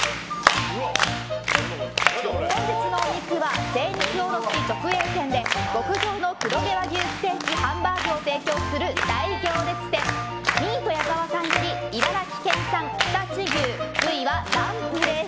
本日のお肉は精肉卸直営店で極上の黒毛和牛ステーキハンバーグを提供する大行列店ミート矢澤さんより茨城県産常陸牛部位はランプです。